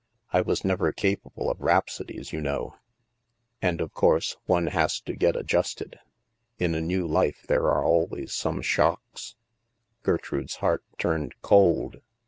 I was never capable pf rhapsodies, you know. And, THE MAELSTROM 143 of course, one has to get adjusted. In a new life there are always some shocks/' Gertrude's heart turned cold.